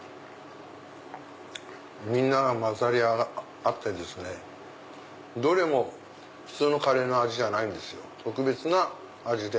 みんなが混ざり合ってどれも普通のカレーの味じゃない特別な味で。